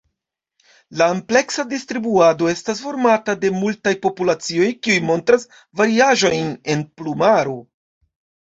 La ampleksa distribuado estas formata de multaj populacioj kiuj montras variaĵojn en plumaro.